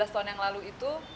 lima belas tahun yang lalu itu